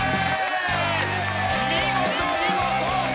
見事見事！